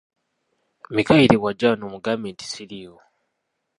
Mikayiri bw'ajja wano mugambe nti siriiwo.